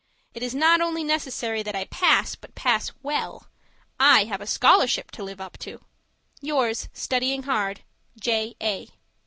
It is not only necessary that I pass, but pass WELL. I have a scholarship to live up to. Yours, studying hard, J. A.